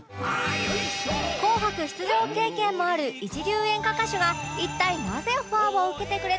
『紅白』出場経験もある一流演歌歌手が一体なぜオファーを受けてくれたのか？